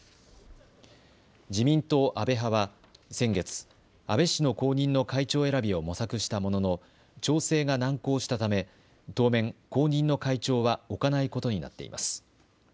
自民党安倍派は先月、安倍氏の後任の会長選びを模索したものの調整が難航したため当面、後任の会長は置かないことになっています。